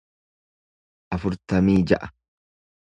afurtamii ja'a